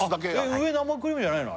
上生クリームじゃないの？